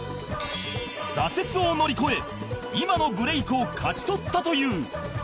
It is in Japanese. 挫折を乗り越え今のブレイクを勝ち取ったという